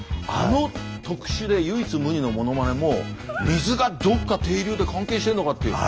あの特殊で唯一無二のものまねも水がどっか底流で関係してるのかって。